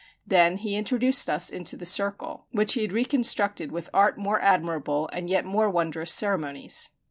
Then he introduced us into the circle, which he had reconstructed with art more admirable and yet more wondrous ceremonies.